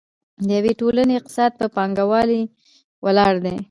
د یوې ټولنې اقتصاد په پانګونې ولاړ دی.